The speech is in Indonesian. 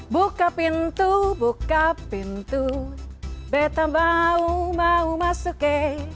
buka pintu buka pintu betam bau mau masuke